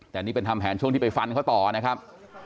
แต่นี่เป็นทำแผนช่วงที่ไปฟันเขาต่อนะครับ